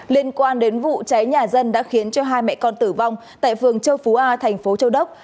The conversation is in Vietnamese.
liên quan đến vụ cháy nhà dân đã khiến cho hai mẹ con tử vong tại phường châu phú a thành phố châu đốc